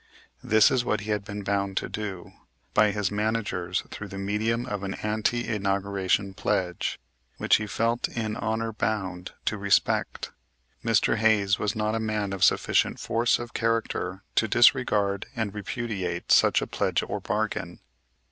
This is what he had been bound to do, by his managers through the medium of an ante inauguration pledge, which he felt in honor bound to respect. Mr. Hayes was not a man of sufficient force of character to disregard and repudiate such a pledge or bargain.